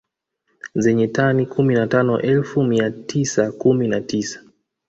Zenye tani kumi na tano elfu mia tisa kumi na tisa